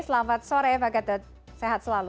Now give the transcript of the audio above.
selamat sore pak gatot sehat selalu